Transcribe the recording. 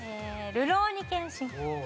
るろうに剣心。